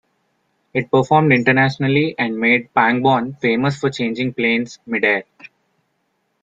It performed internationally and made Pangborn famous for changing planes mid-air.